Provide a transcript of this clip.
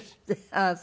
あなた。